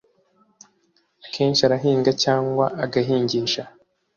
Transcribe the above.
akenshi arahinga cyangwa agahingisha